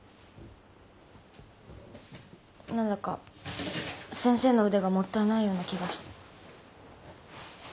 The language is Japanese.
何だか先生の腕がもったいないような気がして。